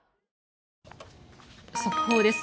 速報です。